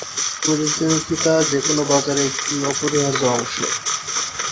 প্রতিযোগিতা যেকোনো বাজারের একটি অপরিহার্য অংশ।